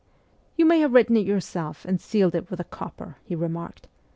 ' You may have written it yourselves and sealed it with a copper,' he remarked.